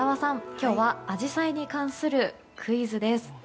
今日はアジサイに関するクイズです。